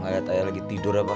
gak liat ayah lagi tidur apa